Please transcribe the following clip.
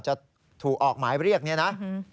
จะถูกออกหมายเรียกเนี่ยนะ